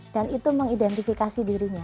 dan itu mengidentifikasi dirinya